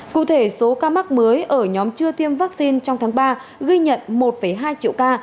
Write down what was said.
cụ thể số ca mắc mới ở nhóm chưa tiêm vaccine trong tháng ba ghi nhận một hai triệu ca